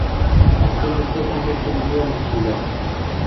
Azken urtetan bertso munduan ibili da.